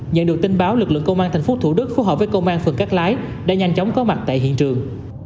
nhận được tin báo lực lượng công an tp hcm phù hợp với công an phần cát lái đã nhanh chóng có mặt tại hiện trường